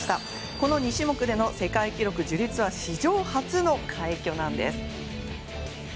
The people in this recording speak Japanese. この２種目での世界記録樹立は史上初の快挙なんです。